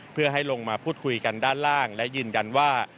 เพื่อให้ลงมาพูดคุยกันด้านล่างและยืนยันว่า